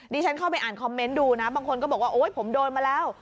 ฉันเข้าไปอ่านคอมเมนต์ดูนะบางคนก็บอกว่าโอ๊ยผมโดนมาแล้ว